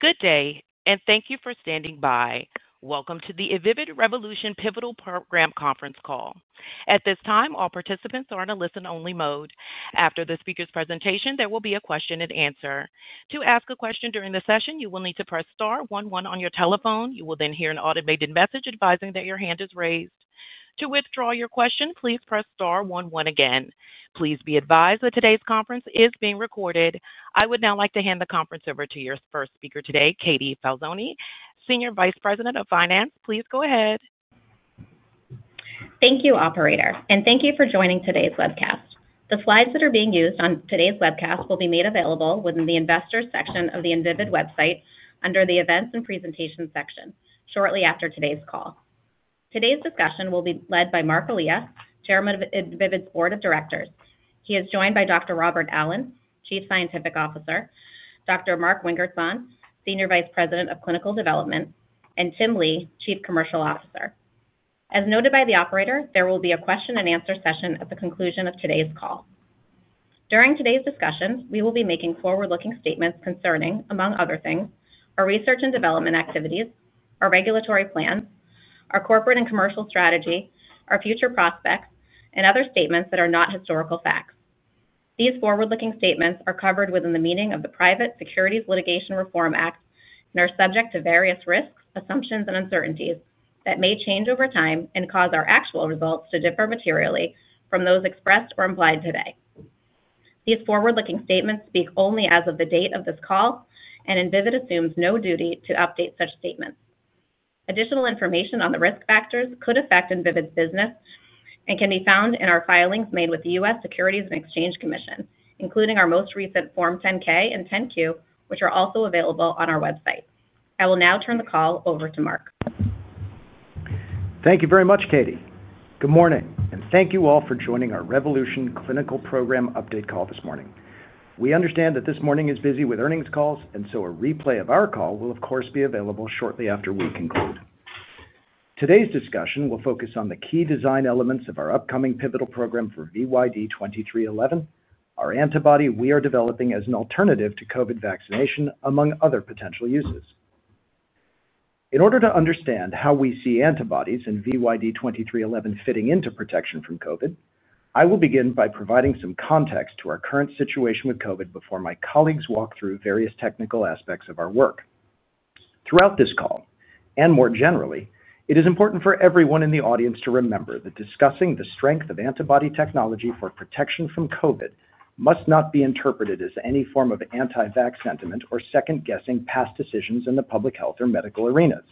Good day and thank you for standing by. Welcome to the Invivyd Revolution Pivotal Program conference call. At this time, all participants are in a listen only mode. After the speaker's presentation, there will be a question and answer. To ask a question during the session, you will need to press star one, one on your telephone. You will then hear an automated message advising that your hand is raised. To withdraw your question, please press star one one again. Please be advised that today's conference is being recorded. I would now like to hand the conference over to your first speaker today, Katie Falzone, Senior Vice President of Finance. Please go ahead. Thank you, Operator, and thank you for joining today's webcast. The slides that are being used on today's webcast will be made available within the Investors section of the Invivyd website under the Events and Presentations section shortly after today's call. Today's discussion will be led by Marc Elia, Chairman of Invivyd's Board of Directors. He is joined by Dr. Robert Allen, Chief Scientific Officer, Dr. Mark Wingertzahn, Senior Vice President of Clinical Development, and Tim Lee, Chief Commercial Officer. As noted by the operator, there will be a question and answer session at the conclusion of today's call. During today's discussion, we will be making forward-looking statements concerning, among other things, our research and development activities, our regulatory plan, our corporate and commercial strategy, our future prospects, and other statements that are not historical facts. These forward-looking statements are covered within the meaning of the Private Securities Litigation Reform Act and are subject to various risks, assumptions, and uncertainties that may change over time and cause our actual results to differ materially from those expressed or implied today. These forward-looking statements speak only as of the date of this call and Invivyd assumes no duty to update such statements. Additional information on the risk factors that could affect Invivyd's business can be found in our filings made with the U.S. Securities and Exchange Commission, including our most recent Form 10-K and 10-Q, which are also available on our website. I will now turn the call over to Marc. Thank you very much, Katie. Good morning and thank you all for joining our Revolution Clinical Program Update call this morning. We understand that this morning is busy with earnings calls, and a replay of our call will, of course, be available shortly after we conclude. Today's discussion will focus on the key design elements of our upcoming pivotal program for VYD2311, our antibody we are developing as an alternative to COVID vaccination, among other potential uses. In order to understand how we see antibodies in VYD2311 fitting into protection from COVID, I will begin by providing some context to our current situation with COVID before my colleagues walk through various technical aspects of our work. Throughout this call and more generally, it is important for everyone in the audience to remember that discussing the strength of antibody technology for protection from COVID must not be interpreted as any form of anti-vax sentiment or second guessing past decisions in the public health or medical arenas.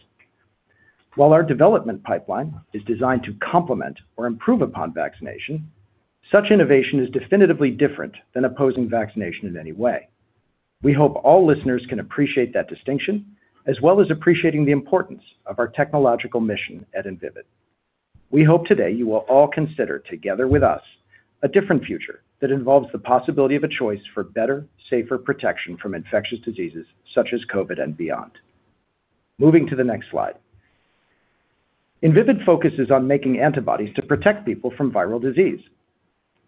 While our development pipeline is designed to complement or improve upon vaccination, such innovation is definitively different than opposing vaccination in any way. We hope all listeners can appreciate that distinction as well as appreciating the importance of our technological mission at Invivyd. We hope today you will all consider together with us a different future that involves the possibility of a choice for better, safer protection from infectious diseases such as COVID and beyond. Moving to the next slide, Invivyd focuses on making antibodies to protect people from viral disease.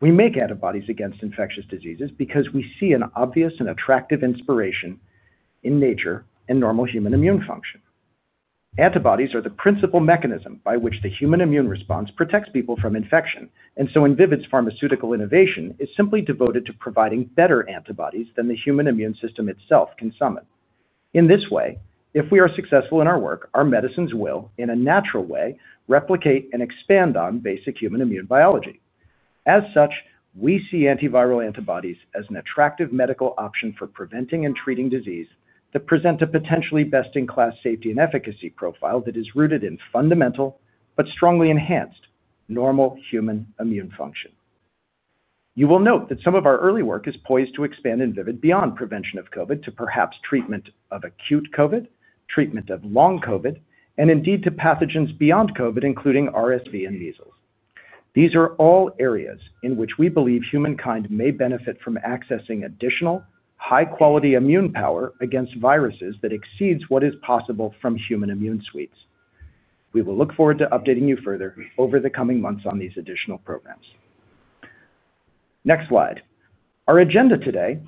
We make antibodies against infectious diseases because we see an obvious and attractive inspiration in nature and normal human immune function. Antibodies are the principal mechanism by which the human immune response protects people from infection, and so Invivyd's pharmaceutical innovation is simply devoted to providing better antibodies than the human immune system itself can summon. In this way, if we are successful in our work, our medicines will in a natural way replicate and expand on basic human immune biology. As such, we see antiviral antibodies as an attractive medical option for preventing and treating disease that present a potentially best-in-class safety and efficacy profile that is rooted in fundamental but strongly enhanced normal human immune function. You will note that some of our early work is poised to expand Invivyd beyond prevention of COVID to perhaps treatment of acute COVID, treatment of long COVID, and indeed to pathogens beyond COVID, including RSV and measles. These are all areas in which we believe humankind may benefit from accessing additional high quality immune power against viruses that exceeds what is possible from human immune suites. We will look forward to updating you further over the coming months on these additional programs. Next slide. Our agenda today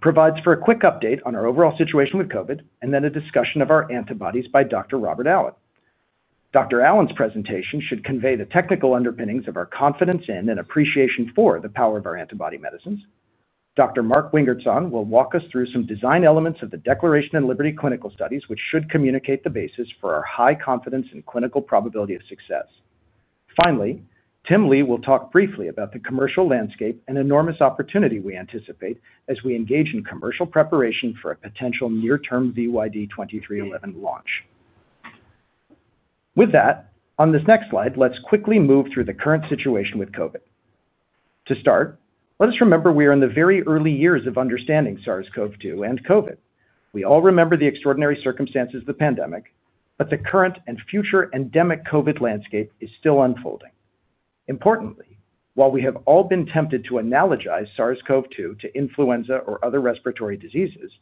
provides for a quick update on our overall situation with COVID and then a discussion of our antibodies by Dr. Robert Allen. Dr. Allen's presentation should convey the technical underpinnings of our confidence in and appreciation for the power of our antibody medicines. Dr. Mark Wingertzahn will walk us through some design elements of the Declaration and Liberty clinical studies, which should communicate the basis for our high confidence in clinical probability of success. Finally, Tim Lee will talk briefly about the commercial landscape and enormous opportunity we anticipate as we engage in commercial preparation for a potential near term VYD2311 launch. With that, on this next slide, let's quickly move through the current situation with COVID. To start, let us remember we are in the very early years of understanding SARS-CoV-2 and COVID. We all remember the extraordinary circumstances of the pandemic, but the current and future endemic COVID landscape is still unfolding. Importantly, while we have all been tempted to analogize SARS-CoV-2 to influenza or other respiratory diseases,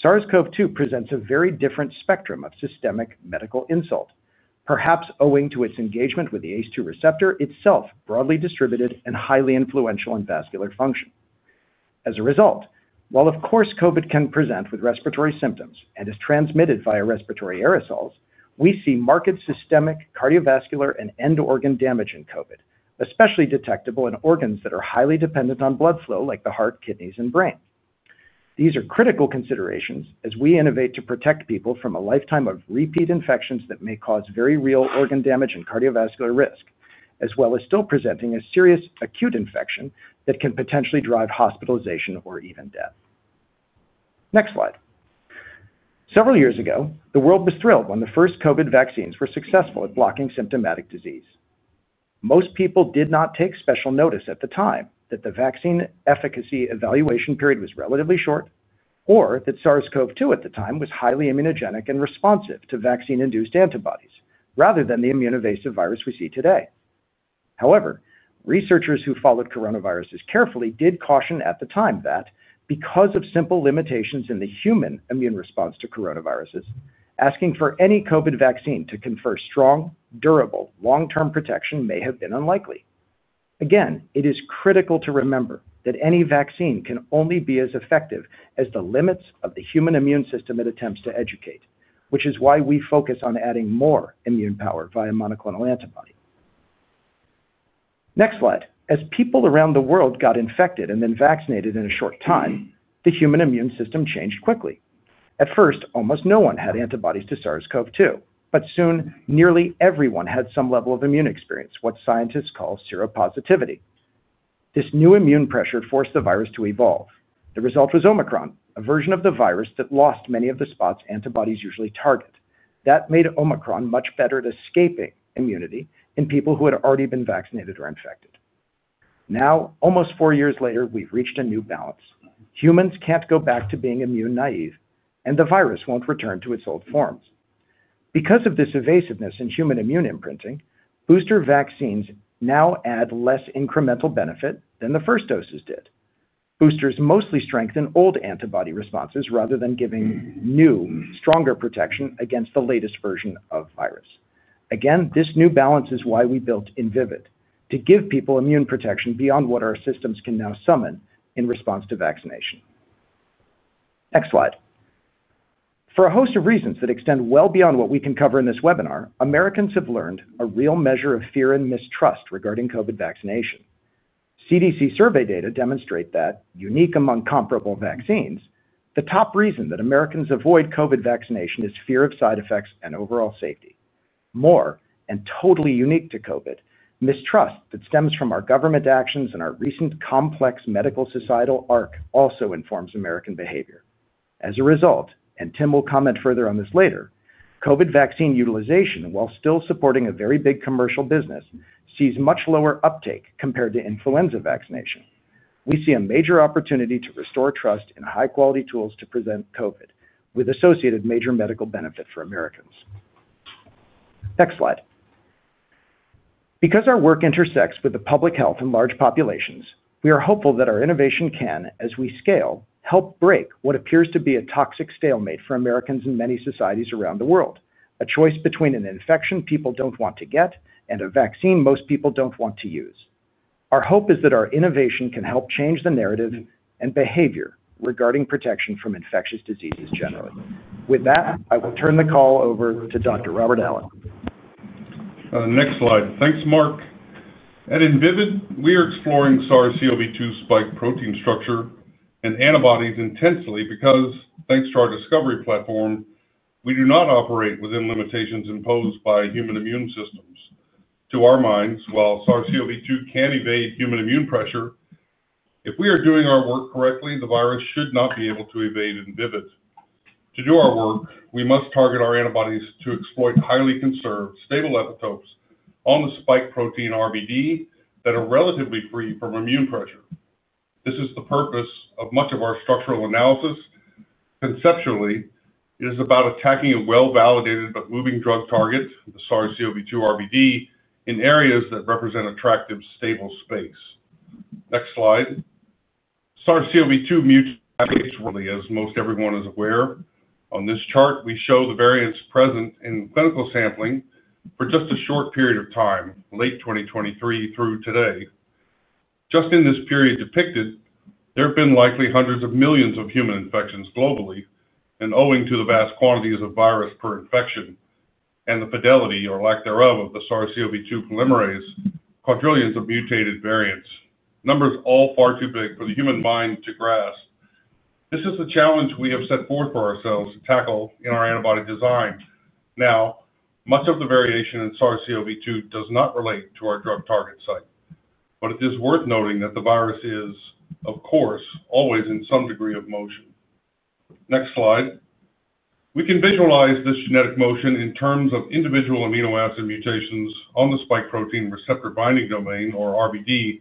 SARS-CoV-2 presents a very different spectrum of systemic medical insult, perhaps owing to its engagement with the ACE2 receptor, itself broadly distributed and highly influential in vascular function. As a result, while of course COVID can present with respiratory symptoms and is transmitted via respiratory aerosols, we see marked systemic cardiovascular and end organ damage in COVID, especially detectable in organs that are highly dependent on blood flow like the heart, kidneys, and brain. These are critical considerations as we innovate to protect people from a lifetime of repeat infections that may cause very real organ damage and cardiovascular risk, as well as still presenting a serious acute infection that can potentially drive hospitalization or even death. Next slide. Several years ago, the world was thrilled when the first COVID vaccines were successful at blocking symptomatic disease. Most people did not take special notice at the time that the vaccine efficacy evaluation period was relatively short, or that SARS-CoV-2 at the time was highly immunogenic and responsive to vaccine-induced antibodies rather than the immune invasive virus we see today. However, researchers who followed coronaviruses carefully did caution at the time that because of simple limitations in the human immune response to coronaviruses, asking for any COVID vaccine to confer strong, durable long-term protection may have been unlikely. Again, it is critical to remember that any vaccine can only be as effective as the limits of the human immune system it attempts to educate, which is why we focus on adding more immune power via monoclonal antibody. Next slide. As people around the world got infected and then vaccinated in a short time, the human immune system changed quickly. At first, almost no one had antibodies to SARS-CoV-2, but soon nearly everyone had some level of immune experience, what scientists call seropositivity. This new immune pressure forced the virus to evolve. The result was Omicron, a version of the virus that lost many of the spots antibodies usually target. That made Omicron much better at escaping immunity in people who had already been vaccinated or infected. Now, almost four years later, we've reached a new balance. Humans can't go back to being immune naive and the virus won't return to its old forms. Because of this evasiveness in human immune imprinting, booster vaccines now add less incremental benefit than the first doses did. Boosters mostly strengthen old antibody responses rather than giving new, stronger protection against the latest version of virus. Again, this new balance is why we built Invivyd to give people immune protection beyond what our systems can now summon in response to vaccination. Next slide. For a host of reasons that extend well beyond what we can cover in this webinar, Americans have learned a real measure of fear and mistrust regarding COVID vaccination. CDC survey data demonstrate that, unique among comparable vaccines, the top reason that Americans avoid COVID vaccination is fear of side effects and overall safety. More and totally unique to COVID, mistrust that stems from our government actions and our recent complex medical societal arc also informs American behavior as a result, and Tim will comment further on this later. COVID vaccine utilization, while still supporting a very big commercial business, sees much lower uptake compared to influenza vaccination. We see a major opportunity to restore trust in high quality tools to prevent COVID with associated major medical benefit for Americans. Next slide. Because our work intersects with the public health in large populations, we are hopeful that our innovation can, as we scale, help break what appears to be a toxic stalemate for Americans in many societies around the world. A choice between an infection people don't want to get and a vaccine most people don't want to use. Our hope is that our innovation can help change the narrative and behavior regarding protection from infectious diseases generally. With that, I will turn the call over to Dr. Robert Allen. Next slide. Thanks, Marc. At Invivyd, we are exploring SARS-CoV-2 spike protein structure and antibodies intensely because, thanks to our antibody discovery platform, we do not operate within limitations imposed by human immune systems to our minds while SARS-CoV-2 can evade human immune pressure, if we are doing our work correctly, the virus should not be able to evade Invivyd. To do our work, we must target our antibodies to exploit highly conserved, stable epitopes on the spike protein RBD that are relatively free from immune pressure. This is the purpose of much of our structural analysis. Conceptually, it is about attacking a well-validated but moving drug target. Target the SARS-CoV-2 RBD in areas that represent attractive, stable space. Next slide. SARS-CoV-2 mutates, as most everyone is aware. On this chart, we show the variants present in clinical sampling for just a short period of time, late 2023 through today. Just in this period depicted, there have been likely hundreds of millions of human infections globally, and owing to the vast quantities of virus per infection and the fidelity or lack thereof of the SARS-CoV-2 polymerase, quadrillions of mutated variants—numbers all far too big for the human mind to grasp. This is the challenge we have set forth for ourselves to tackle in our antibody design. Much of the variation in SARS-CoV-2 does not relate to our drug target site, but it is worth noting that the virus is, of course, always in some degree of motion. Next slide. We can visualize this genetic motion in terms of individual amino acid mutations on the spike protein receptor binding domain, or RBD,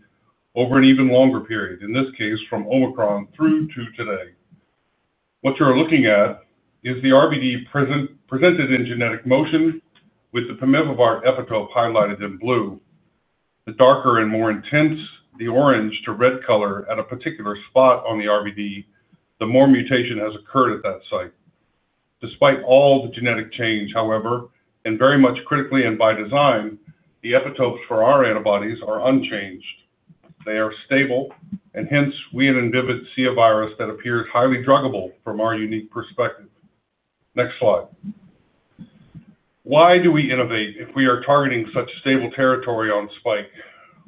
over an even longer period. In this case, from Omicron through to today, what you're looking at is the RBD presented in genetic motion with the pemivibart epitope highlighted in blue. The darker and more intense the orange to red color at a particular spot on the RBD, the more mutation has occurred at that site. Despite all the genetic change, however, and very much critically and by design, the epitopes for our antibodies are unchanged, they are stable, and hence we at Invivyd see a virus that appears highly druggable from our unique perspective. Next slide. Why do we innovate if we are targeting such stable territory on spike?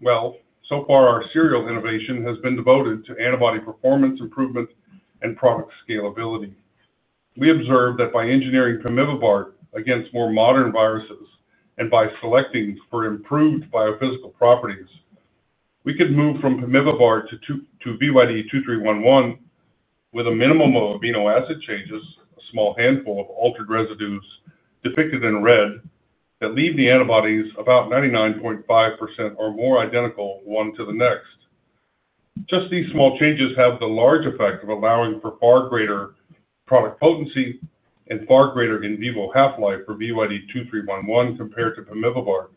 Our serial innovation has been devoted to antibody performance improvement and product scalability. We observed that by engineering pemivibart against more modern viruses and by selecting for improved biophysical properties, we could move from pemivibart to VYD2311 with a minimum of amino acid changes, a small handful of altered residues depicted in red that leave the antibodies about 99.5% or more identical one to the next. Just these small changes have the large effect of allowing for far greater product potency and far greater in vivo half-life for VYD2311 compared to pemivibart,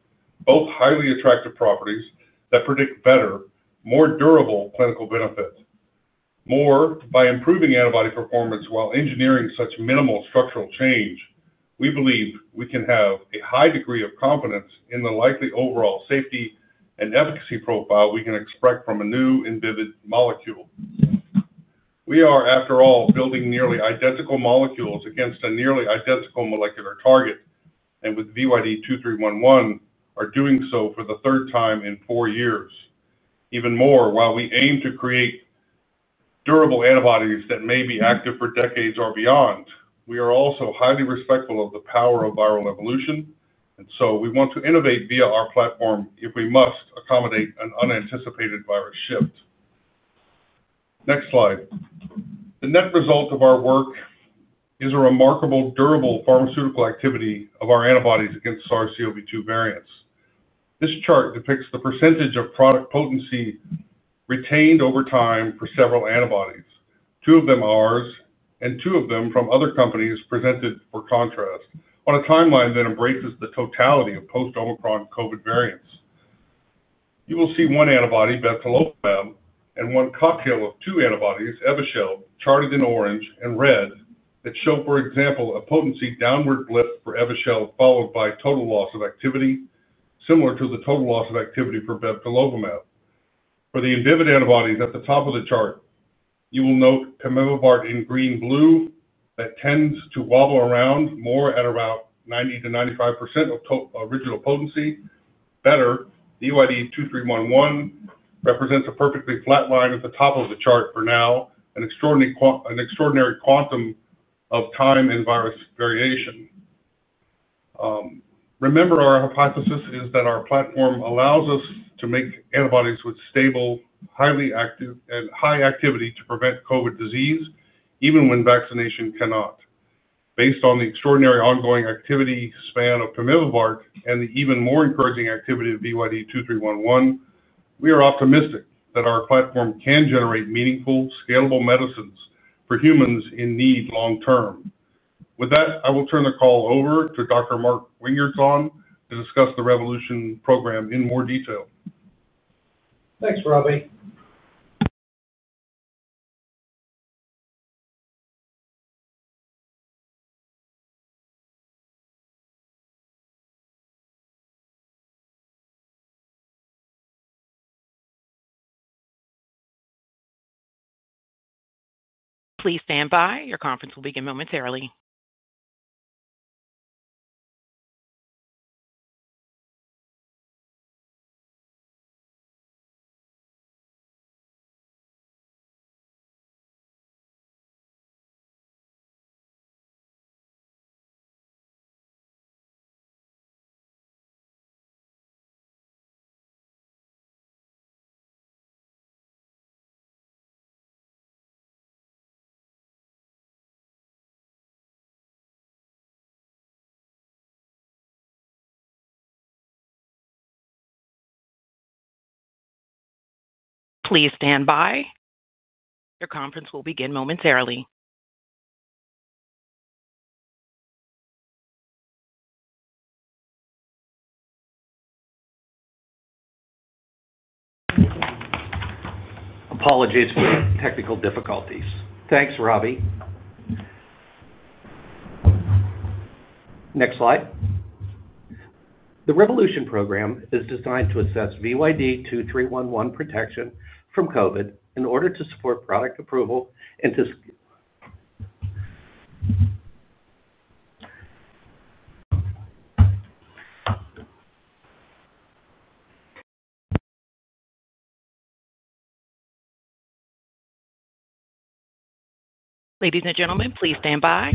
both highly attractive properties that predict better, more durable clinical benefits. By improving antibody performance while engineering such minimal structural change, we believe we can have a high degree of confidence in the likely overall safety and efficacy profile we can expect from a new Invivyd molecule. We are, after all, building nearly identical molecules against a nearly identical molecular target, and with VYD2311 are doing so for the third time in four years. Even more, while we aim to create durable antibodies that may be active for decades or beyond, we are also highly respectful of the power of viral evolution and want to innovate via our platform if we must accommodate an unanticipated virus shift. Next slide. The net result of our work is a remarkable durable pharmaceutical activity of our antibodies against SARS-CoV-2 variants. This chart depicts the percentage of product potency retained over time for several antibodies, two of them ours and two of them from other companies presented for contrast on a timeline that embraces the totality of post-Omicron COVID variants. You will see one antibody bebtelovimab and one cocktail of two antibodies Evusheld charted in orange and red that show, for example, a potency downward blip for Evusheld followed by total loss of activity, similar to the total loss of activity for bebtelovimab. For the Invivyd antibodies at the top of the chart, you will note adintrevimab in green-blue that tends to wobble around more at about 90% to 95% of original potency. VYD2311 represents a perfectly flat line at the top of the chart for now, an extraordinary quantum of time and virus variation. Remember, our hypothesis is that our platform allows us to make antibodies with stable, highly active and high activity to prevent COVID disease even when vaccination cannot. Based on the extraordinary ongoing activity span of pemivibart and the even more encouraging activity of VYD2311, we are optimistic that our platform can generate meaningful scalable medicines for humans in need long term. With that, I will turn the call over to Dr. Mark Wingertzahn to discuss the Revolution Program in more detail. Thanks Robbie. Please stand by. Your conference will begin momentarily. Please stand by. Your conference will begin momentarily. Apologies for technical difficulties. Thanks, Robbie. Next slide. The Revolution Program is designed to assess VYD2311 protection from COVID in order to support product approval and to... Ladies and gentlemen, please stand by.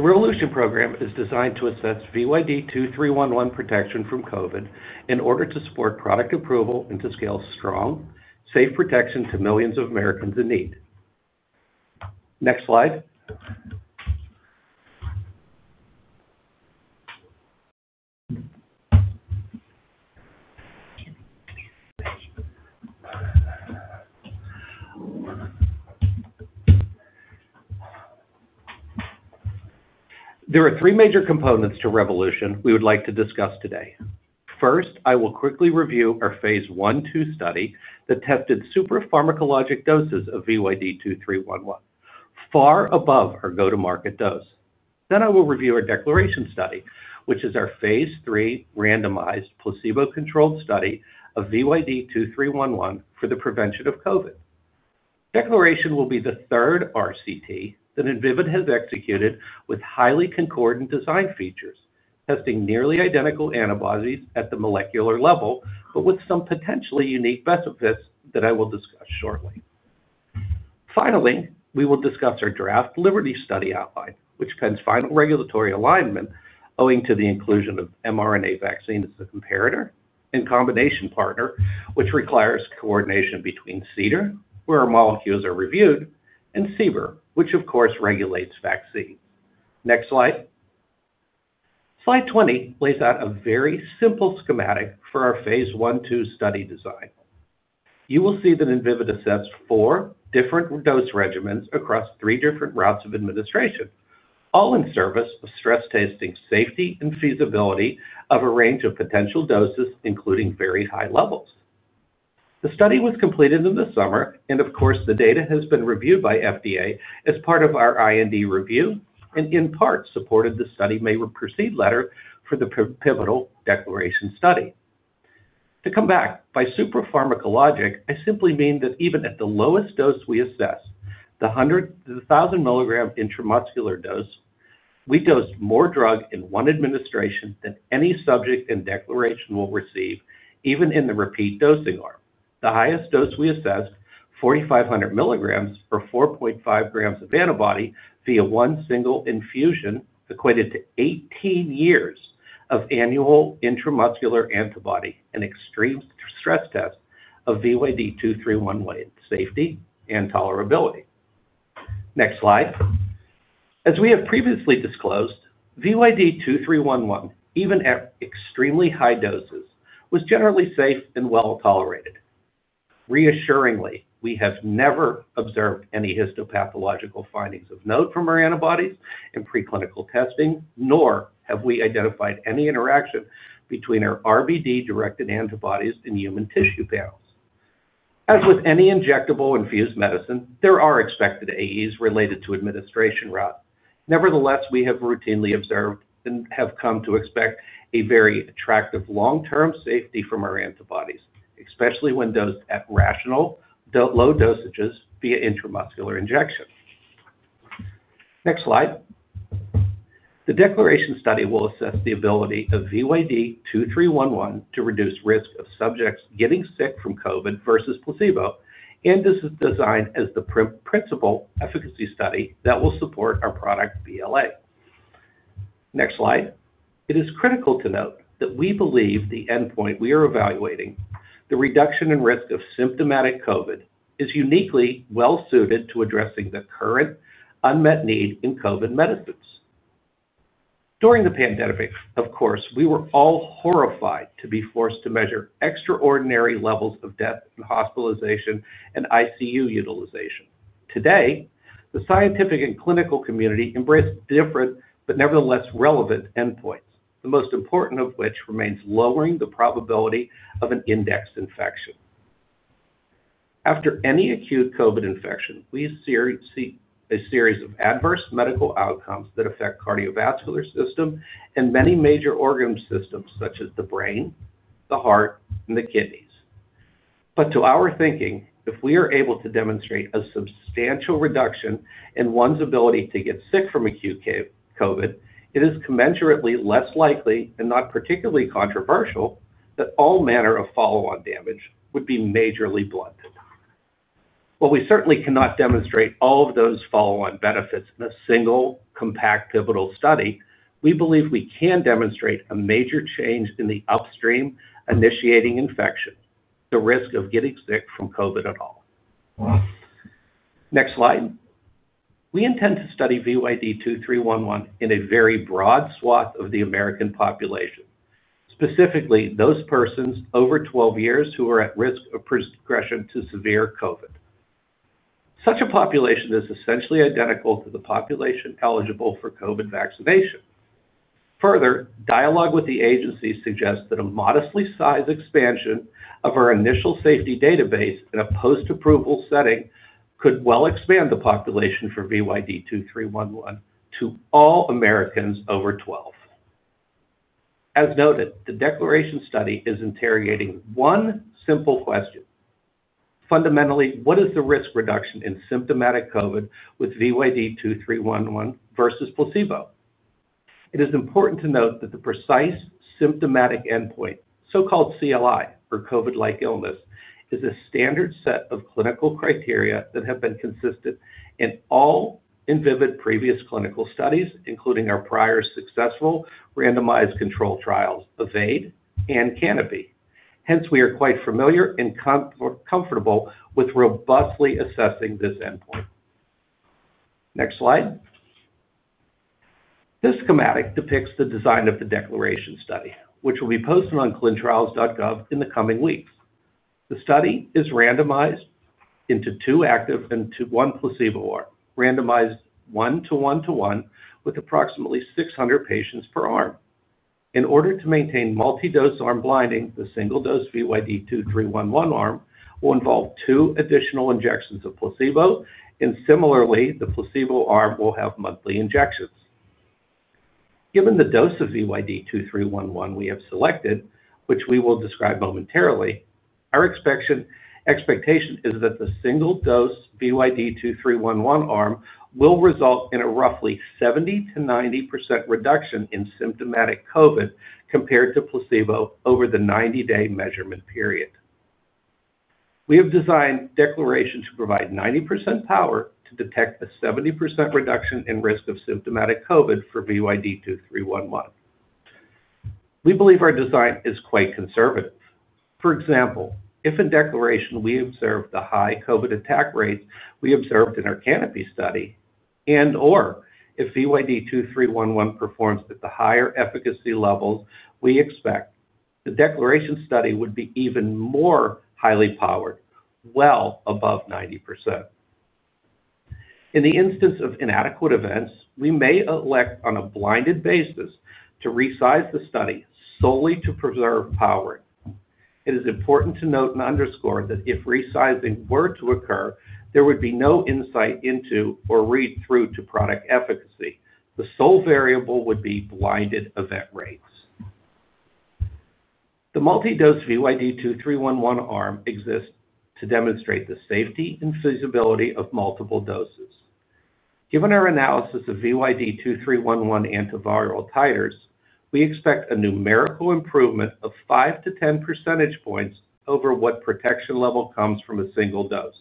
The Revolution Program is designed to assess VYD2311 protection from COVID in order to support product approval and to scale strong, safe protection to millions of Americans in need. Next slide. There are three major components to Revolution we would like to discuss today. First, I will quickly review our Phase 1/2 study that tested suprapharmacologic doses of VYD2311 far above our go-to-market dose. Then I will review our Declaration study, which is our Phase 3 randomized placebo-controlled study of VYD2311 for the prevention of COVID. Declaration will be the third RCT that Invivyd has executed with highly concordant design features, testing nearly identical antibodies at the molecular level but with some potentially unique benefits that I will discuss shortly. Finally, we will discuss our draft Liberty Study Outline, which pens final regulatory alignment owing to the inclusion of mRNA vaccine as the comparator and combination partner, which requires coordination between CDER, where our molecules are reviewed, and CBER, which of course regulates vaccines. Next slide. Slide 20 lays out a very simple schematic for our Phase 1/2 study design. You will see that Invivyd assessed four different dose regimens across three different routes of administration, all in service of stress testing safety and feasibility of a range of potential doses, including very high levels. The study was completed in the summer, and of course the data has been reviewed by FDA as part of our IND review and in part supported the study may proceed letter for the pivotal data Declaration study to come back. By suprapharmacologic, I simply mean that even at the lowest dose we assessed, the 1,000 milligram intramuscular dose, we dosed more drug in one administration than any subject in Declaration will receive, even in the repeat dosing arm. The highest dose we assessed, 4,500 milligrams or 4.5 grams of antibody via one single infusion, equated to 18 years of annual intramuscular antibody, an extreme stress test of VYD2311 safety and tolerability. Next slide. As we have previously disclosed, VYD2311, even at extremely high doses, was generally safe and well tolerated. Reassuringly, we have never observed any histopathological findings of note from our antibodies in preclinical testing, nor have we identified any interaction between our RBD-directed antibodies and human tissue panels. As with any injectable infused medicine, there are expected AEs related to administration route. Nevertheless, we have routinely observed and have come to expect a very attractive long-term safety from our antibodies, especially when dosed at rational low dosages via intramuscular injection. Next slide. The Declaration study will assess the ability of VYD2311 to reduce risk of subjects getting sick from COVID versus placebo, and this is designed as the principal efficacy study that will support our product BLA. Next slide. It is critical to note that we believe the endpoint we are evaluating, the reduction in risk of symptomatic COVID-19, is uniquely well suited to addressing the current unmet need in COVID medicines during the pandemic. Of course, we were all horrified to be forced to measure extraordinary levels of death and hospitalization and ICU utilization. Today, the scientific and clinical community embrace different but nevertheless relevant endpoints, the most important of which remains lowering the probability of an indexed infection. After any acute COVID infection, we see a series of adverse medical outcomes that affect the cardiovascular system and many major organ systems such as the brain, the heart, and the kidneys. To our thinking, if we are able to demonstrate a substantial reduction in one's ability to get sick from acute COVID, it is commensurately less likely and not particularly controversial that all manner of follow-on damage would be majorly blunted. While we certainly cannot demonstrate all of those follow-on benefits in a single compact pivotal study, we believe we can demonstrate a major change in the upstream initiating infection, the risk of getting sick from COVID at all. Next slide. We intend to study VYD2311 in a very broad swath of the American population, specifically those persons over 12 years who are at risk of progression to severe COVID. Such a population is essentially identical to the population eligible for COVID vaccination. Further dialogue with the agency suggests that a modestly sized expansion of our initial safety database in a post-approval setting could well expand the population for VYD2311 to all Americans over 12. As noted, the Declaration study is interrogating one simple question: fundamentally, what is the risk reduction in symptomatic COVID with VYD2311 versus placebo? It is important to note that the precise symptomatic endpoint, so-called CLI or COVID-like illness, is a standard set of clinical criteria that have been consistent in all Invivyd previous clinical studies, including our prior successful randomized control trials, Evade and Canopy. Hence, we are quite familiar and comfortable with robustly assessing this endpoint. Next slide. This schematic depicts the design of the Declaration study, which will be posted on clinicaltrials.gov in the coming weeks. The study is randomized into two active and one placebo arm, randomized one to one to one with approximately 600 patients per arm. In order to maintain multi-dose arm blinding, the single-dose VYD2311 arm will involve two additional injections of placebo, and similarly, the placebo arm will have monthly injections given the dose of VYD2311 we have selected, which we will describe momentarily. Our expectation is that the single-dose VYD2311 arm will result in a roughly 70% to 90% reduction in symptomatic COVID compared to placebo over the 90-day measurement period. We have designed Declaration to provide 90% power to detect the 70% reduction in risk of symptomatic COVID for VYD2311. We believe our design is quite conservative. For example, if in Declaration we observed the high COVID attack rates we observed in our Canopy study and/or if VYD2311 performs at the higher efficacy levels, we expect the Declaration study would be even more highly powered, well above 90%. In the instance of inadequate events, we may elect on a blinded basis to resize the study solely to preserve power. It is important to note and underscore that if resizing were to occur, there would be no insight into or read through to product efficacy. The sole variable would be blinded event rates. The multi-dose VYD2311 arm exists to demonstrate the safety and feasibility of multiple doses. Given our analysis of VYD2311 antiviral titers, we expect a numerical improvement of 5%-10% over what protection level comes from a single dose.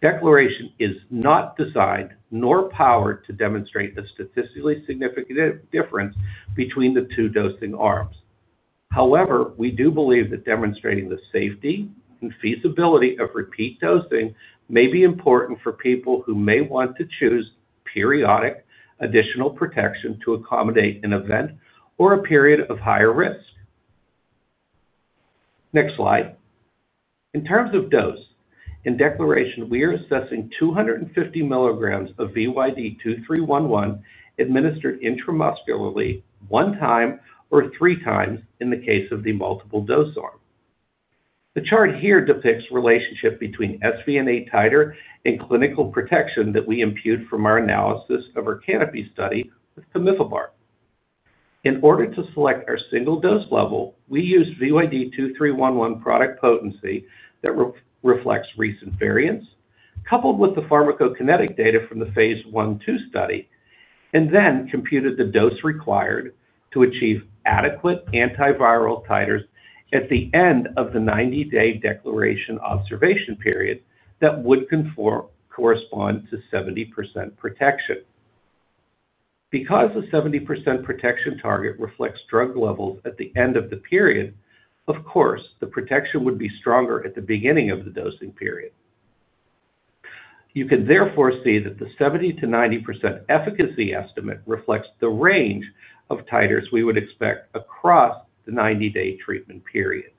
Declaration is not designed nor powered to demonstrate the statistically significant difference between the two dosing arms. However, we do believe that demonstrating the safety and feasibility of repeat dosing may be important for people who may want to choose periodic additional protection to accommodate an event or a period of higher risk. Next slide. In terms of dose in Declaration, we are assessing 250 mg of VYD2311 administered intramuscularly one time or three times in the case of the multiple dose arm. The chart here depicts the relationship between SVN8 titer and clinical protection that we impute from our analysis of our Canopy study with pemivibart. In order to select our single dose level, we used VYD2311 product potency that reflects recent variants coupled with the pharmacokinetic data from the Phase 1/2 study and then computed the dose required to achieve adequate antiviral titers at the end of the 90-day Declaration observation period. That would correspond to 70% protection. Because the 70% protection target reflects drug levels at the end of the period, of course the protection would be stronger at the beginning of the dosing period. You can therefore see that the 70%-90% efficacy estimate reflects the range of titers we would expect across the 90-day treatment period.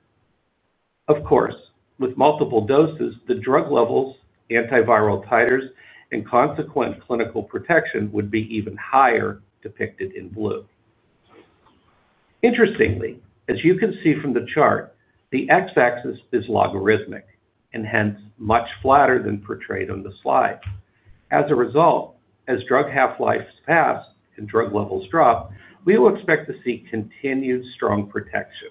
Of course, with multiple doses the drug levels, antiviral titers, and consequent clinical protection would be even higher, depicted in blue. Interestingly, as you can see from the chart, the X-axis is logarithmic and hence much flatter than portrayed on the slide. As a result, as drug half-lives pass and drug levels drop, we will expect to see continued strong protection.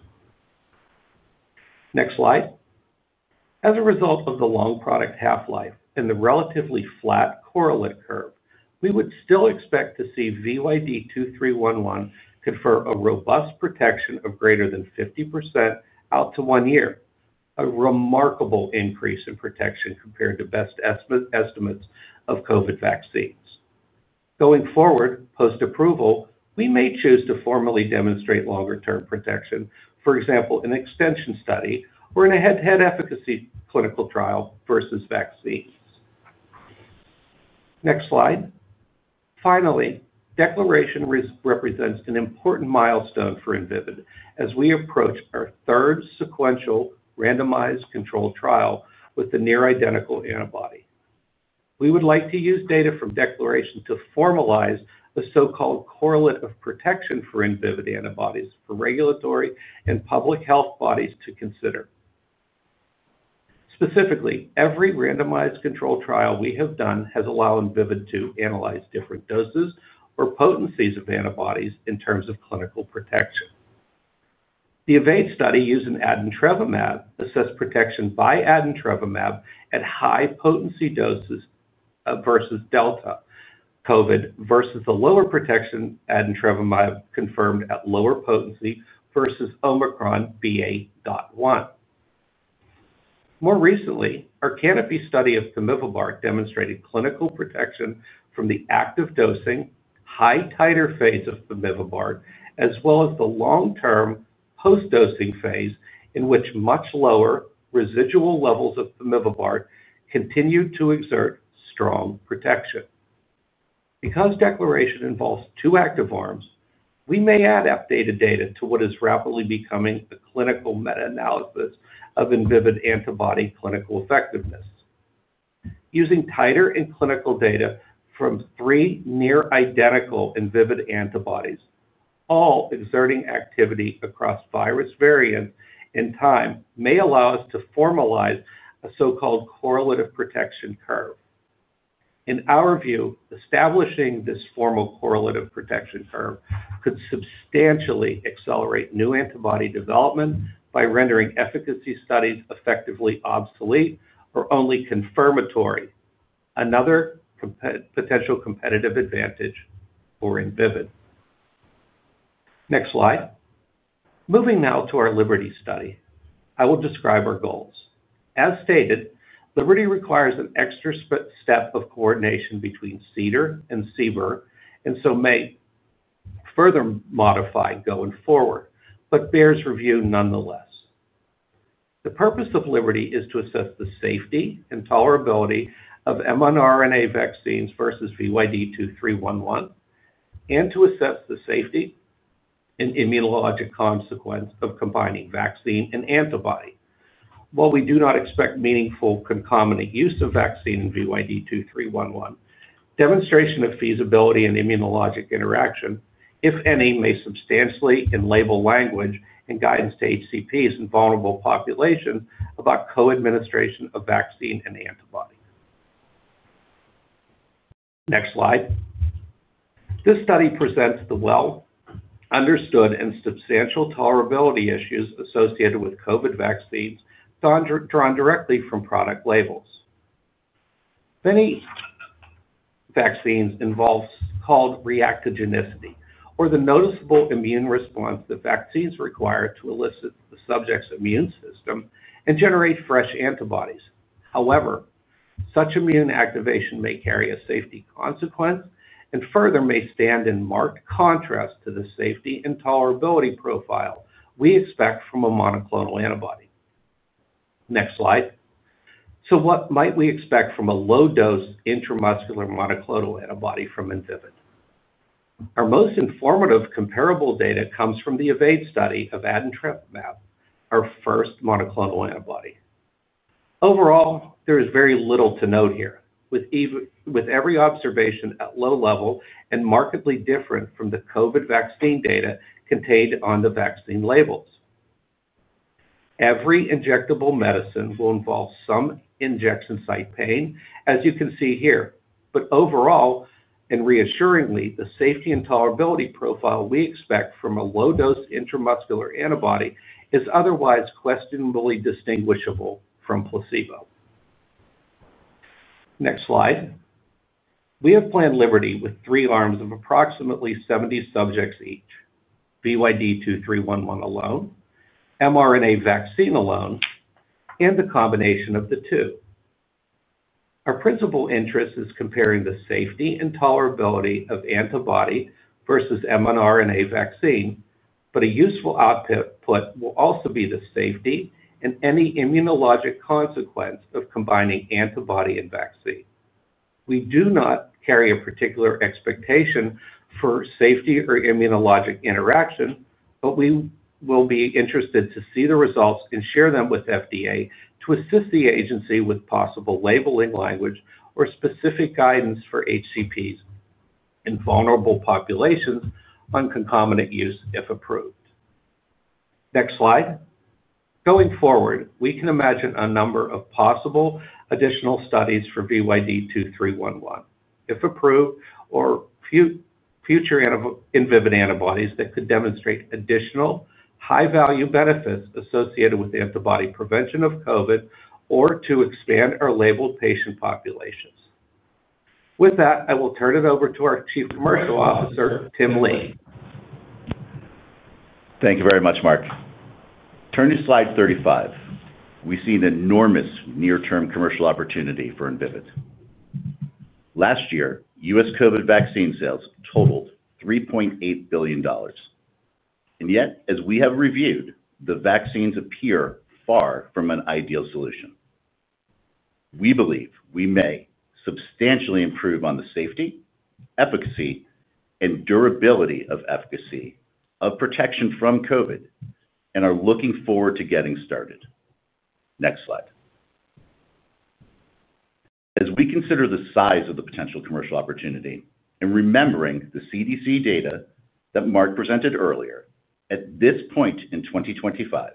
Next slide. As a result of the long product half-life and the relatively flat correlate curve, we would still expect to see VYD2311 confer a robust protection of greater than 50% out to one year, a remarkable increase in protection compared to best estimates of COVID vaccines going forward. Post approval, we may choose to formally demonstrate longer-term protection, e.g., an extension study or in a head-to-head efficacy clinical trial versus vaccines. Next slide. Finally, Declaration represents an important milestone for Invivyd. As we approach our third sequential randomized controlled trial with the near-identical antibody, we would like to use data from Declaration to formalize the so-called correlate of protection for Invivyd antibodies for regulatory and public health bodies to consider. Specifically, every randomized control trial we have done has allowed Invivyd to analyze different doses or potencies of antibodies in terms of clinical protection. The Evade study using adintrevimab assessed protection by adintrevimab at high potency doses versus Delta COVID versus the lower protection adintrevimab confirmed at lower potency versus Omicron BA.1. More recently, our Canopy study of pemivibart demonstrated clinical protection from the active dosing high titer phase of pemivibart as well as the long-term post dosing phase in which much lower residual levels of pemivibart continue to exert strong protection. Because Declaration involves two active, we may add updated data to what is rapidly becoming a clinical meta-analysis of Invivyd antibody clinical effectiveness using titer and clinical data from three near-identical Invivyd antibodies. All exerting activity across virus variants in time may allow us to formalize a so-called correlate of protection curve. In our view, establishing this formal correlate of protection curve could substantially accelerate new antibody development by rendering efficacy studies effectively obsolete or only confirmatory. Another potential competitive advantage for Invivyd. Next slide. Moving now to our Liberty study, I will describe our goals. As stated, Liberty requires an extra step of coordination between CDER and CBER and so may further modify going forward but bears review nonetheless. The purpose of Liberty is to assess the safety and tolerability of mRNA vaccines versus VYD2311 and to assess the safety and immunologic consequence of combining vaccine and antibody. While we do not expect meaningful concomitant use of vaccine and VYD2311, demonstration of feasibility in immunologic interaction, if any, may substantially inform label language and guidance to HCPs and vulnerable population about co-administration of vaccine and antibody. Next slide. This study presents the well-understood and substantial tolerability issues associated with COVID vaccines drawn directly from product labels. Many vaccines involve what is called reactogenicity or the noticeable immune response that vaccines require to elicit the subject's immune system and generate fresh antibodies. However, such immune activation may carry a safety consequence and further may stand in marked contrast to the safety and tolerability profile we expect from a monoclonal antibody. Next slide. What might we expect from a low dose intramuscular monoclonal antibody from Invivyd? Our most informative comparable data comes from the Evade study of adintrevimab, our first monoclonal antibody. Overall, there is very little to note here, with every observation at low level and markedly different from the COVID vaccine data contained on the vaccine labels. Every injectable medicine will involve some injection site pain, as you can see here, but overall, and reassuringly, the safety and tolerability profile we expect from a low dose intramuscular antibody is otherwise questionably distinguishable from placebo. Next slide. We have planned LIBERTY with three arms of approximately 70 subjects each, VYD2311 alone, mRNA vaccine alone, and the combination of the two. Our principal interest is comparing the safety and tolerability of antibody versus mRNA vaccine, but a useful output will also be the safety and any immunologic consequence of combining antibody and vaccine. We do not carry a particular expectation for safety or immunologic interaction, but we will be interested to see the results and share them with FDA to assist the agency with possible labeling language or specific guidance for HCPs in vulnerable populations on concomitant use if approved. Next slide. Going forward, we can imagine a number of possible additional studies for VYD2311 if approved or future Invivyd antibodies that could demonstrate additional high value benefits associated with antibody prevention of COVID or to expand our label patient populations. With that, I will turn it over to our Chief Commercial Officer, Tim Lee. Thank you very much, Mark. Turning to slide 35, we see an enormous near-term commercial opportunity for Invivyd. Last year, U.S. COVID vaccine sales totaled $3.8 billion, and yet as we have reviewed, the vaccines appear far from an ideal solution. We believe we may substantially improve on the safety, efficacy, and durability of efficacy of protection from COVID and are looking forward to getting started. Next slide. As we consider the size of the potential commercial opportunity and remembering the CDC data that Marc presented earlier, at this point in 2025,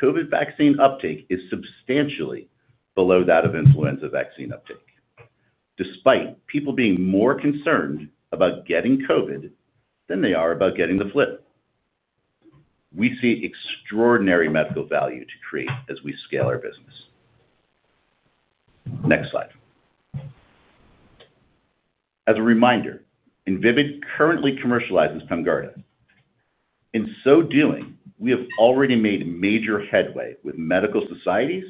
COVID vaccine uptake is substantially below that of influenza vaccine uptake. Despite people being more concerned about getting COVID than they are about getting the flu, we see extraordinary medical value to create as we scale our business. Next slide. As a reminder, Invivyd currently commercializes Pemgarda. In so doing, we have already made major headway with medical societies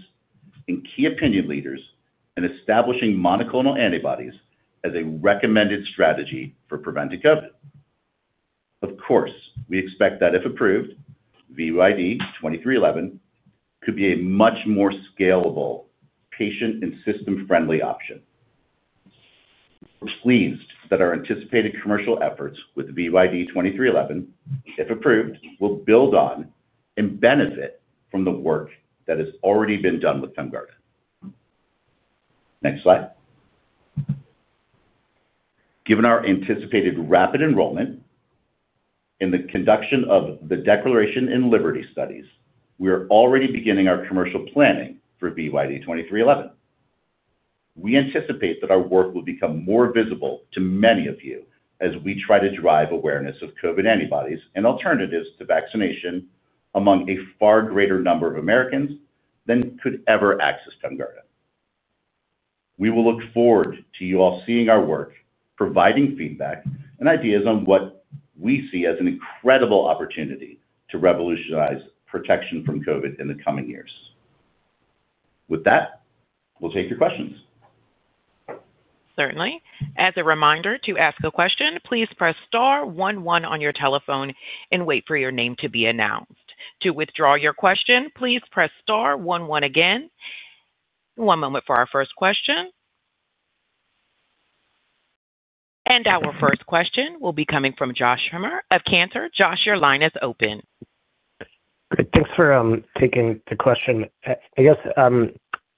and key opinion leaders in establishing monoclonal antibodies as a recommended strategy for preventing COVID. Of course, we expect that if approved, VYD2311 could be a much more scalable, patient- and system-friendly option. We're pleased that our anticipated commercial efforts with VYD2311, if approved, will build on and benefit from the work that has already been done with Pemgarda. Next slide. Given our anticipated rapid enrollment in the conduct of the Declaration and Liberty studies, we are already beginning our commercial planning for VYD2311. We anticipate that our work will become more visible to many of you as we try to drive awareness of COVID antibodies and alternatives to vaccination among a far greater number of Americans than could ever access Pemgarda. We will look forward to you all seeing our work, providing feedback and ideas on what we see as an incredible opportunity to revolutionize protection from COVID in the coming years. With that, we'll take your questions, certainly. As a reminder to ask a question, please press star 11 on your telephone and wait for your name to be announced. To withdraw your question, please press star one, one again. One moment for our first question. Our first question will be coming from Josh Schimmer of Cantor. Josh, your line is open. Great. Thanks for taking the question. I guess, on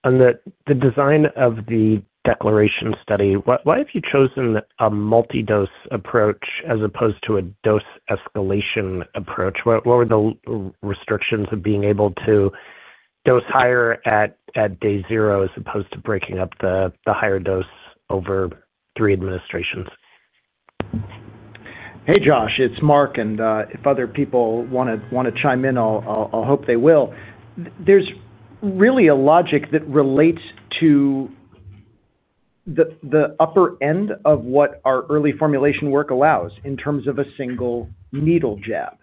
the design of the Declaration study, why have you chosen a multi-dose approach as opposed to a dose escalation approach? What were the restrictions of being able to dose higher at day zero as opposed to breaking up the higher dose over three administrations? Hey Josh, it's Marc. If other people want to chime in, I hope they will. There's really a logic that relates to the upper end of what our early formulation work allows in terms of a single needle jab.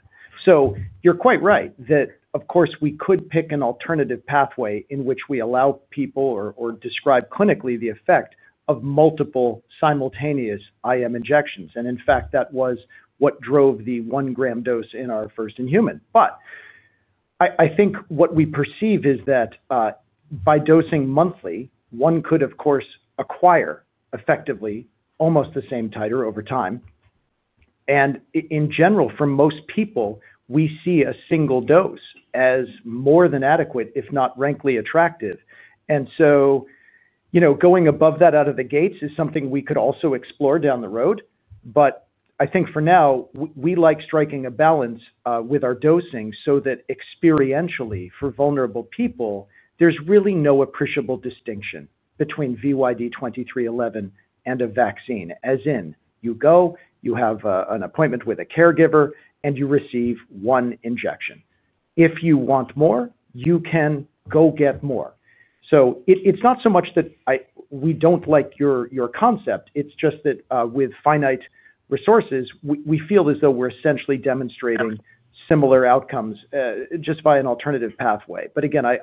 You're quite right that of course we could pick an alternative pathway in which we allow people or describe clinically the effect of multiple simultaneous IM injections. In fact, that was what drove the 1 gram dose in our first in human. I think what we perceive is that by dosing monthly one could of course acquire effectively almost the same titer over time. In general, for most people we see a single dose as more than adequate, if not rankly attractive. Going above that out of the gates is something we could also explore down the road. I think for now we like striking a balance with our dosing so that experientially for vulnerable people there's really no appreciable distinction between VYD2311 and a vaccine, as in you go, you have an appointment with a caregiver and you receive one injection. If you want more, you can go get more. It's not so much that we don't like your concept, it's just that with finite resources, we feel as though we're essentially demonstrating similar outcomes just by an alternative pathway.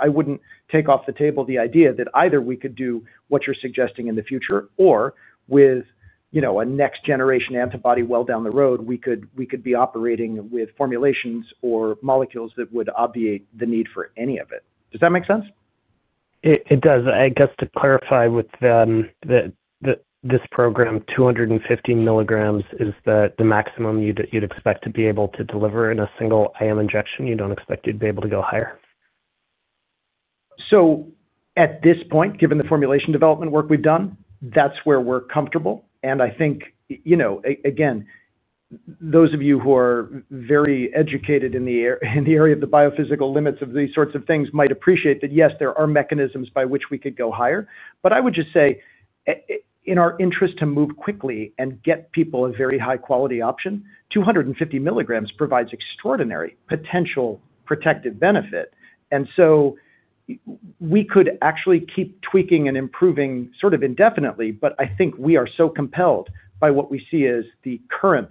I wouldn't take off the table the idea that either we could do what you're suggesting in the future, or with a next generation antibody, well down the road, we could be operating with formulations or molecules that would obviate that need for any of it. Does that make sense? It does. I guess to clarify, with this program, 250 mg is the maximum you'd expect to be able to deliver in a single IM injection. You don't expect you'd be able to go higher. At this point, given the formulation development work we've done, that's where we're comfortable. I think again, those of you who are very educated in the area of the biophysical limits of these sorts of things might appreciate that, yes, there are mechanisms by which we could go higher. I would just say in our interest to move quickly and get people a very high quality option, 250 mg provides extraordinary potential protective benefit. We could actually keep tweaking and improving sort of indefinitely. I think we are so compelled by what we see as the current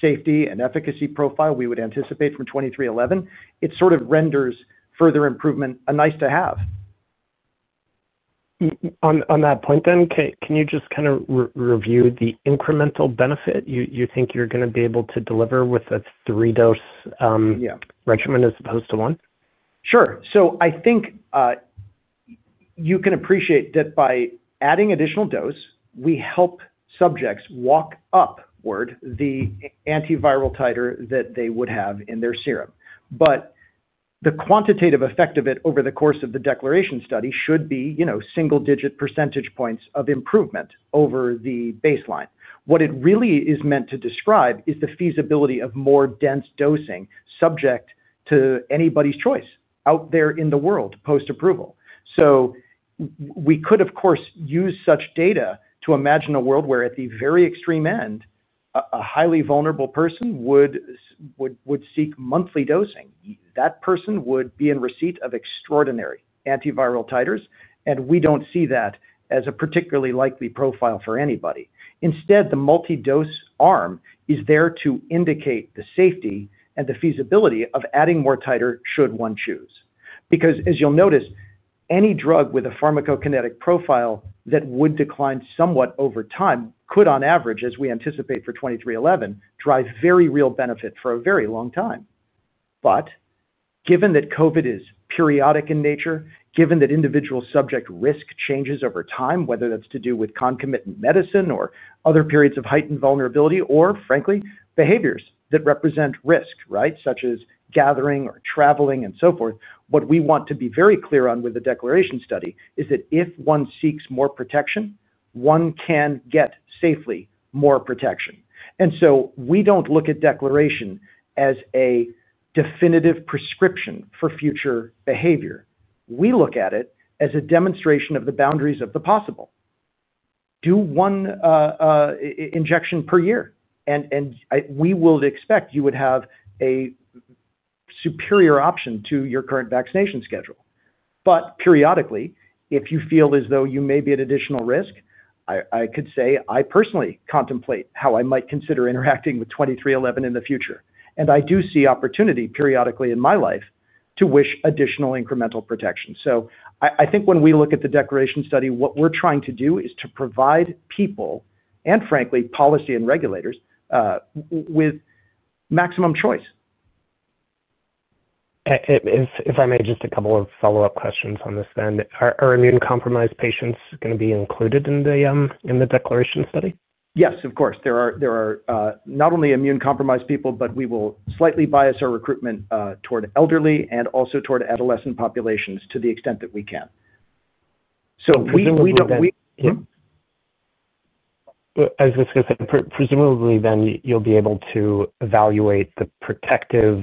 safety and efficacy profile we would anticipate from VYD2311, and it sort of renders further improvement a nice to have. On that point, can you just kind of review the incremental benefit you think you're going to be able to deliver with a three dose regimen as opposed to one? Sure. I think you can appreciate that by adding additional dose, we help subjects walk upward the antiviral titer that they would have in their serum. The quantitative effect of it over the course of the Declaration study should be single digit % points of improvement over the baseline. What it really is meant to describe is the feasibility of more dense dosing, subject to anybody's choice out there in the world post approval. We could of course use such data to imagine a world where at the very extreme end a highly vulnerable person would seek monthly dosing. That person would be in receipt of extraordinary antiviral titers. We don't see that as a particularly likely profile for anybody. Instead, the multi dose arm is there to indicate the safety and the feasibility of adding more titer should one choose. As you'll notice, any drug with a pharmacokinetic profile that would decline somewhat over time could, on average, as we anticipate for 2311, drive very real benefit for a very long time. Given that COVID is periodic in nature, given that individual subject risk changes over time, whether that's to do with concomitant medicine or other periods of heightened vulnerability or, frankly, behaviors that represent risk, such as gathering or traveling and so forth, what we want to be very clear on with the Declaration study is that if one seeks more protection, one can get safely more protection. We don't look at Declaration as a definitive prescription for future behavior. We look at it as a demonstration of the boundaries of the possible. Do one injection per year, and we will expect you would have a superior option to your current vaccination schedule. Periodically, if you feel as though you may be at additional risk, I could say I personally contemplate how I might consider interacting with 2311 in the future. I do see opportunity periodically in my life to wish additional incremental protection. I think when we look at the Declaration study, what we're trying to do is to provide people, and, frankly, policy and regulators with maximum choice. If I may, just a couple of follow up questions on this then. Are immune compromised patients going to be included in the Declaration study? Yes, of course, there are not only immune compromised people, but we will slightly bias our recruitment toward elderly and also toward adolescent populations to the extent that we can. Presumably then you'll be able to evaluate the protective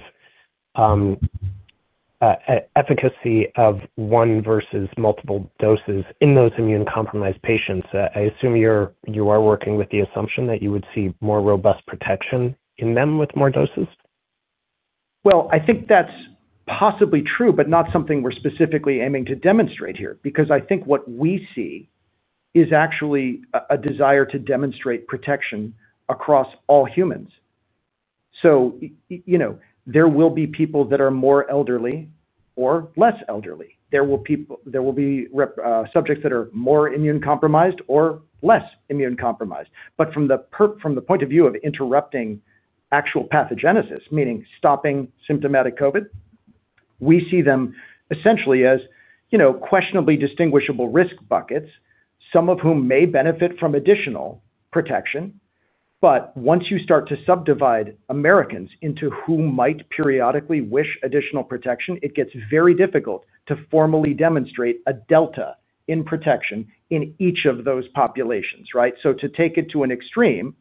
efficacy of one versus multiple doses in those immune compromised patients. I assume you are working with the assumption that you would see more robust protection in them with more doses. I think that's possibly true, but not something we're specifically aiming to demonstrate here. I think what we see is actually a desire to demonstrate protection across all humans. There will be people that are more elderly or less elderly. There will be subjects that are more immune compromised or less immune compromised. From the point of view of interrupting actual pathogenesis, meaning stopping symptomatic COVID-19, we see them essentially as questionably distinguishable risk buckets, some of whom may benefit from additional protection. Once you start to subdivide Americans into who might periodically wish additional protection, it gets very difficult to formally demonstrate a delta in protection in each of those populations. To take it to an extreme,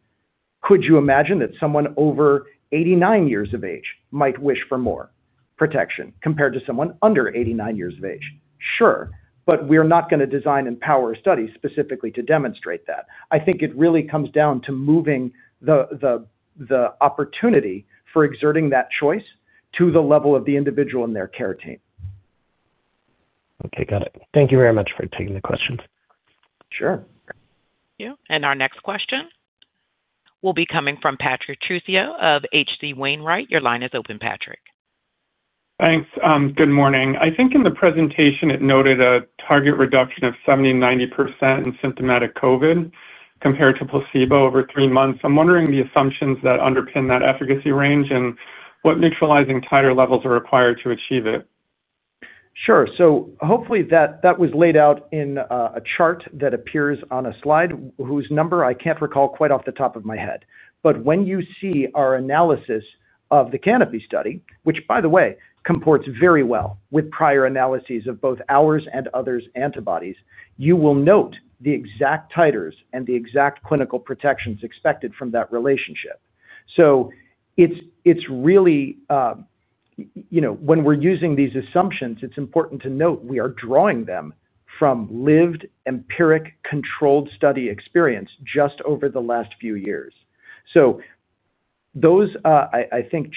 could you imagine that someone over 89 years of age might wish for more protection compared to someone under 89 years of age? Sure, but we're not going to design and power a study specifically to demonstrate that. I think it really comes down to moving the opportunity for exerting that choice to the level of the individual and their care team. Okay, got it. Thank you very much for taking the questions. Sure. Our next question will be coming from Patrick Trucchio of H.C. Wainwright. Your line is open, Patrick. Thanks. Good morning. I think in the presentation it noted a target reduction of 70%-90% in symptomatic COVID-19 compared to placebo over three months. I'm wondering the assumptions that underpin that efficacy range and what neutralizing titer levels are required to achieve it. Sure. Hopefully that was laid out in a chart that appears on a slide whose number I can't recall quite off the top of my head. When you see our analysis of the Canopy study, which by the way comports very well with prior analyses of both ours and others' monoclonal antibodies, you will note the exact titers and the exact clinical protections expected from that relationship. When we're using these assumptions, it's important to note we are drawing them from lived empiric controlled study experience just over the last few years. Those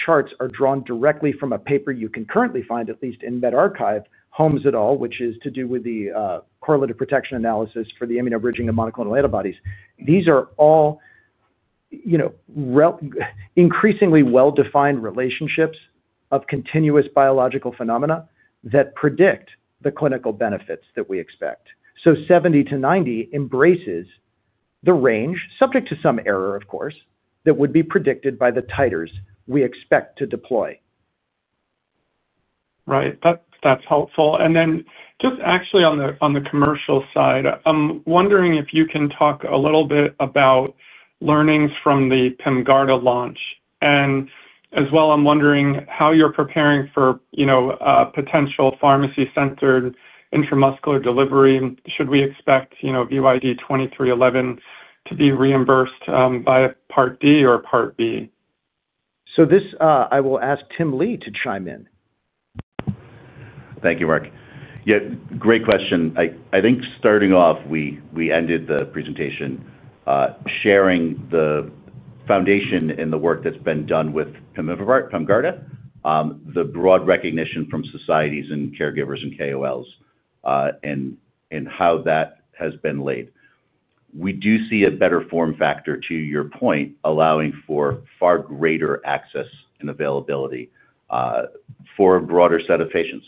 charts are drawn directly from a paper you can currently find at least in medRxiv, Holmes et al, which is to do with the correlate of protection analysis for the immunobridging of monoclonal antibodies. These are all increasingly well defined relationships of continuous biological phenomena that predict the clinical benefits that we expect. The 70%-90% embraces the range, subject to some error of course, that would be predicted by the titers we expect to deploy. Right, that's helpful. Actually, on the commercial side, I'm wondering if you can talk a little bit about learnings from the Pemgarda launch. I'm also wondering how you're preparing for potential pharmacy-centered intramuscular delivery. Should we expect VYD2311 to be reimbursed by Medicare Part D or Part B? I will ask Tim Lee to chime in. Thank you, Mark. Great question. I think starting off, we ended the presentation sharing the foundation in the work that's been done with pemivibart, Pemgarda, the broad recognition from societies and caregivers and KOLs, and how that has been laid. We do see a better form factor to your point, allowing for far greater access and availability for a broader set of patients.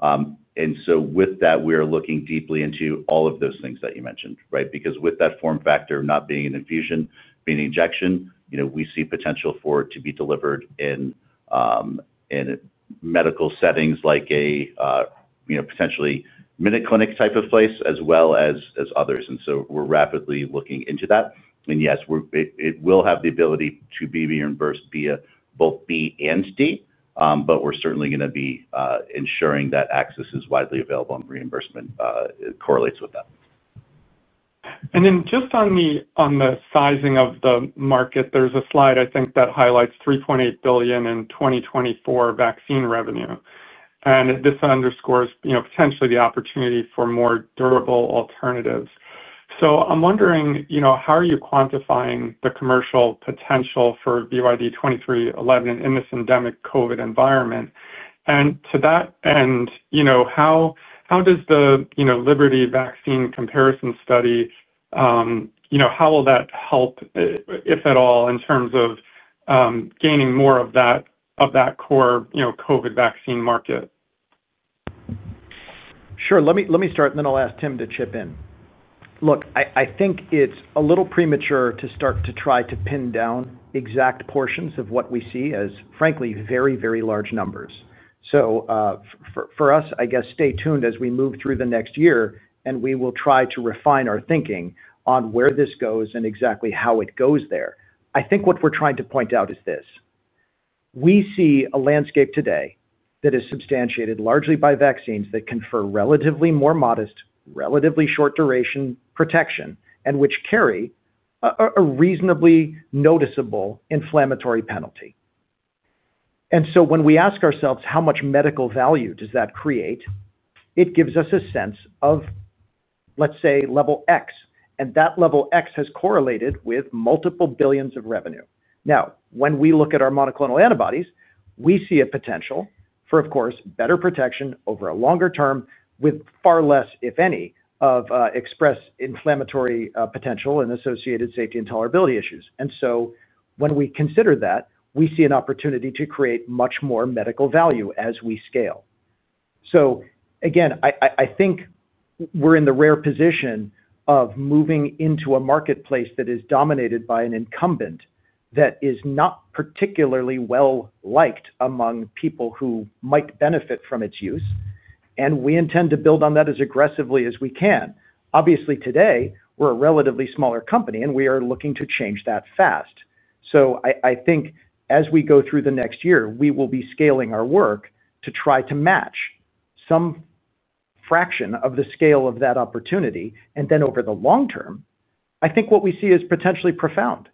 With that, we are looking deeply into all of those things that you mentioned. Because with that form factor not being an infusion, being injection, we see potential for it to be delivered in medical settings like a potentially minute clinic type of place, as well as others. We're rapidly looking into that. Yes, it will have the ability to be reimbursed via both Medicare Part B and D, but we're certainly going to be ensuring that access is widely available and reimbursement correlates with that. On the sizing of the market, there's a slide, I think, that highlights $3.8 billion in 2024 vaccine revenue. This underscores potentially the opportunity for more durable alternatives. I'm wondering, how are you quantifying the commercial potential for VYD2311 in this endemic COVID environment? To that end, how does the Liberty Vaccine Comparison study, how will that help, if at all, in terms of gaining more of that core COVID vaccine market? Sure, let me start and then I'll ask Tim to chip in. I think it's a little premature to start to try to pin down exact portions of what we see as, frankly, very, very large numbers. For us, I guess stay tuned as we move through the next year and we will try to refine our thinking on where this goes and exactly how it goes there. I think what we're trying to point out is this. We see a landscape today that is substantiated largely by vaccines that confer relatively more modest, relatively short duration protection and which carry a reasonably noticeable inflammatory penalty. When we ask ourselves how much medical value does that create, it gives us a sense of, let's say, level X and that level X has correlated with multiple billions of revenue. Now, when we look at our monoclonal antibodies, we see a potential for, of course, better protection over a longer term, with far less, if any, of express inflammatory potential and associated safety and tolerability issues. When we consider that, we see an opportunity to create much more medical value as we scale. I think we're in the rare position of moving into a marketplace that is dominated by an incumbent that is not particularly well liked among people who might benefit from its use, and we intend to build on that as aggressively as we can. Obviously today we're a relatively smaller company and we are looking to change that fast. I think as we go through the next year, we will be scaling our work to try to match some fraction of the scale of that opportunity. Over the long term, I think what we see is potentially profound.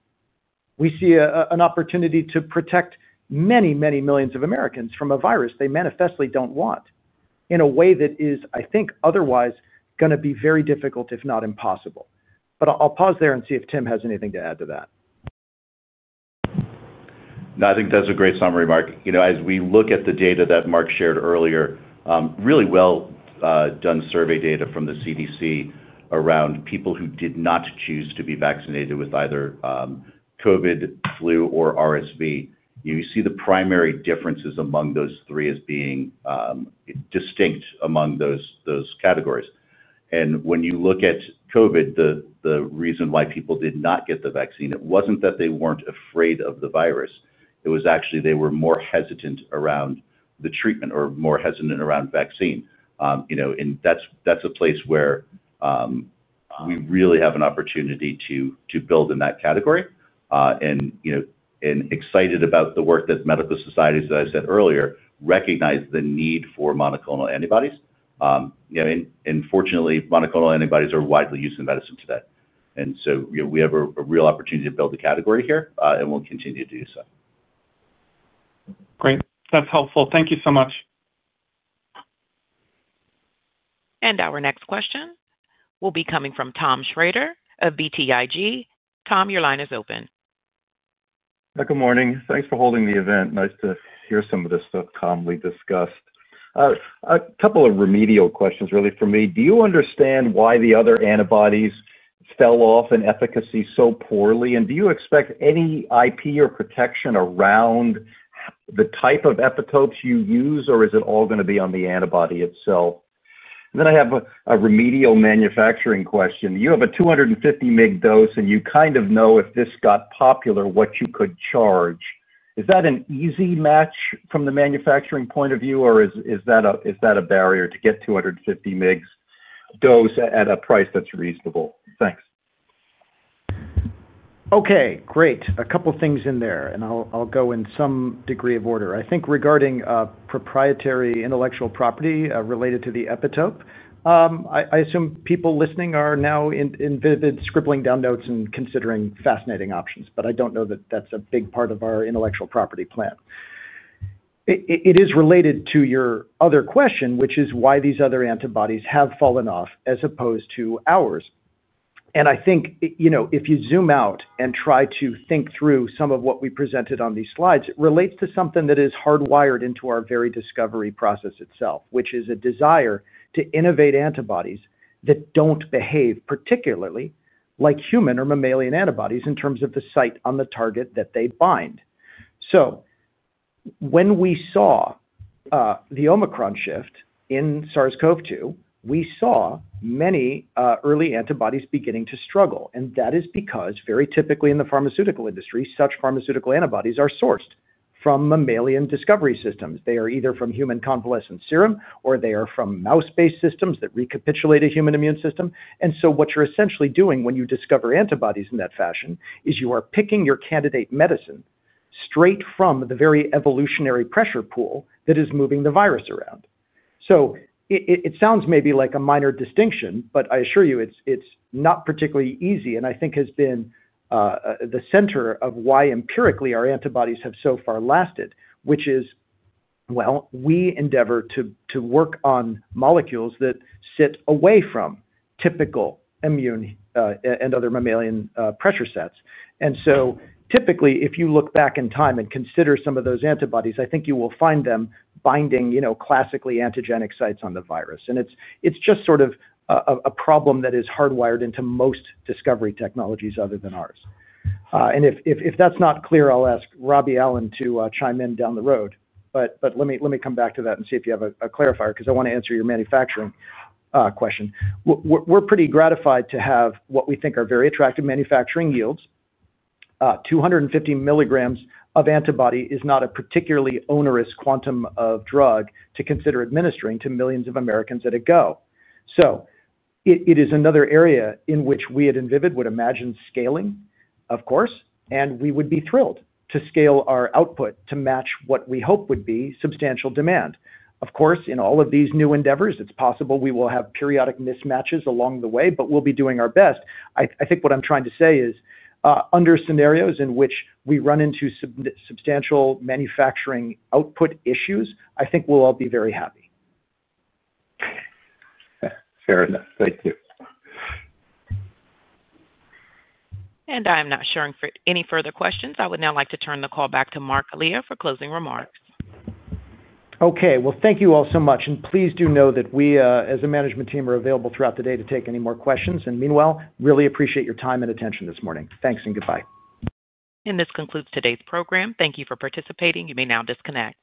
We see an opportunity to protect many, many millions of Americans from a virus they manifestly don't want in a way that is, I think, otherwise going to be very difficult, if not impossible. I'll pause there and see if Tim has anything to add to that. No, I think that's a great summary, Marc. As we look at the data that Marc shared earlier, really well done. Survey data from the CDC around people who did not choose to be vaccinated with either COVID, flu, or RSV, you see the primary differences among those three as being distinct among those categories. When you look at COVID, the reason why people did not get the vaccine, it wasn't that they weren't afraid of the virus. It was actually they were more hesitant around the treatment or more hesitant around vaccine. That's a place where we really have an opportunity to build in that category. Excited about the work that medical societies that I said earlier recognize the need for monoclonal antibodies. Fortunately, monoclonal antibodies are widely used in medicine today. We have a real opportunity to build the category here and we'll continue to do so. Great, that's helpful. Thank you so much. Our next question will be coming from Tom Schrader of BTIG. Tom, your line is open. Good morning. Thanks for holding the event. Nice to hear some of this stuff calmly discussed. A couple of remedial questions really for me. Do you understand why the other antibodies fell off in efficacy so poorly? Do you expect any IP or protection around the type of viral epitopes you use or is it all going to be on the antibody itself? I have a remedial manufacturing question. You have a 250 mg dose and you kind of know if this got popular. What you could charge. Is that an easy match from the manufacturing point of view, or is that a barrier to get 250 mg dose at a price that's reasonable. Thanks. Okay, great. A couple things in there and I'll go in some degree of order, I think. Regarding proprietary intellectual property related to the epitope, I assume people listening are now at Invivyd scribbling down notes and considering fascinating options. I don't know that that's a big part of our intellectual property plan. It is related to your other question, which is why these other antibodies have fallen off as opposed to ours. I think if you zoom out and try to think through some of what we presented on these slides, it relates to something that is hardwired into our very discovery process itself, which is a desire to innovate antibodies that don't behave particularly like human or mammalian antibodies in terms of the site on the target that they bind. When we saw the Omicron shift in SARS-CoV-2, we saw many early antibodies beginning to struggle. That is because very typically in the pharmaceutical industry, such pharmaceutical antibodies are sourced from mammalian discovery systems. They are either from human convalescent serum or they are from mouse-based systems that recapitulate a human immune system. What you're essentially doing when you discover antibodies in that fashion is you are picking your candidate medicine straight from the very evolutionary pressure pool that is moving the virus around. It sounds maybe like a minor distinction, but I assure you it's not particularly easy. I think it has been the center of why empirically our antibodies have so far lasted, which is, we endeavor to work on molecules that sit away from typical immune and other mammalian pressure sets. Typically, if you look back in time and consider some of those antibodies, I think you will find them binding classically antigenic sites on the virus. It's just sort of a problem that is hardwired into most discovery technologies other than ours. If that's not clear, I'll ask Robert Allen to chime in down the road. Let me come back to that and see if you have a clarifier because I want to answer your manufacturing question. We're pretty gratified to have what we think are very attractive manufacturing yields. 250 mg of antibody is not a particularly onerous quantum of drug to consider administering to millions of Americans at a go. It is another area in which we at Invivyd would imagine scaling, of course, and we would be thrilled to scale our output to match what we hope would be substantial demand. Of course, in all of these new endeavors, it's possible we will have periodic mismatches along the way, but we'll be doing our best. I think what I'm trying to say is under scenarios in which we run into substantial manufacturing output issues, I think we'll all be very happy. Fair enough. Thank you. I am not sharing any further questions. I would now like to turn the call back to Marc Elia for closing remarks. Thank you all so much. Please do know that we as a management team are available throughout the day to take any more questions. Meanwhile, really appreciate your time and attention this morning. Thanks and goodbye. This concludes today's program. Thank you for participating. You may now disconnect.